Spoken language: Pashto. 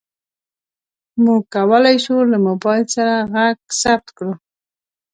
موږ کولی شو له موبایل سره غږ ثبت کړو.